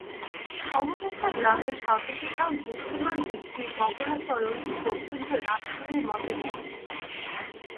অবশেষে গ্রামের সর্বপ্রধান বুদ্ধিমান ব্যক্তি বগলাচরণ পর্যন্ত রাসমণির মতে মত দিল।